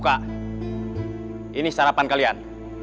gak ada yang kabur